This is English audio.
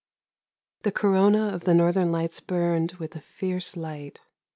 The corona of the northern lights burned with a fierce light.